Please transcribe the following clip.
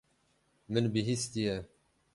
Min bihîstiye.